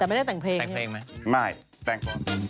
แต่ไม่ได้แต่งเพลง